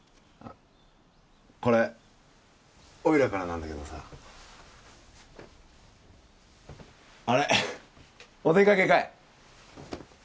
これおいらからなんだけどさあれお出かけかい？